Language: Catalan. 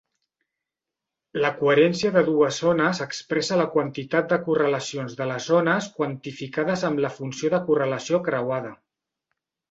La coherència de dues ones expressa la quantitat de correlacions de les ones quantificades amb la funció de correlació creuada.